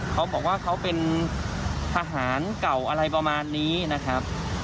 เขาบอกว่าเขาเป็นทหารเก่าอะไรประมาณนี้นะครับ